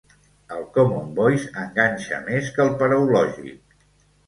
El Common voice enganxa més que el Paraulògic.